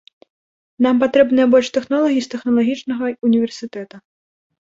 Нам патрэбныя больш тэхнолагі з тэхналагічнага ўніверсітэта.